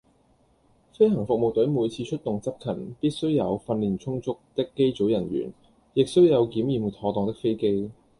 飛行服務隊每次出動執勤，必須有訓練充足的機組人員，亦須有檢驗妥當的飛機。